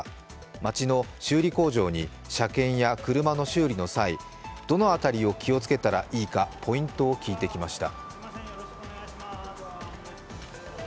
町の修理工場に車検や車の修理の際、どのあたりを気をつけたらいいかポイントを聞いてきました。